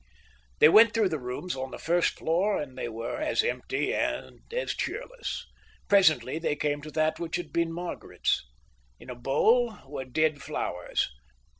They went through the rooms on the first floor, and they were as empty and as cheerless. Presently they came to that which had been Margaret's. In a bowl were dead flowers.